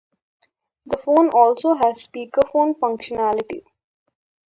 The phone also has speakerphone functionality.